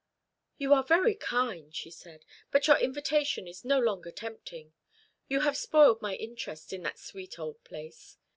"You are very kind," she said, "but your invitation is no longer tempting. You have spoiled my interest in that sweet old place.